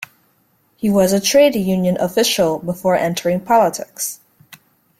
He was a trade union official before entering politics.